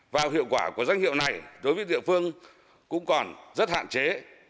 và hiệu quả của danh hiệu này đối với địa phương cũng còn rất hạn chế